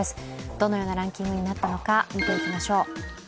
どのようなランキングになったのか、見ていきましょう。